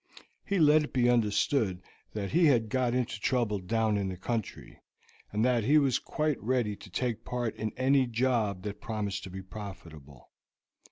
He let it be understood that he had got into trouble down in the country, and that he was quite ready to take part in any job that promised to be profitable.